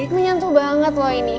menyentuh banget loh ini